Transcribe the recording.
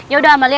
ya udah amalia